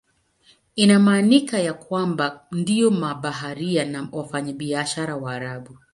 Inaaminika ya kwamba ndio mabaharia na wafanyabiashara Waarabu.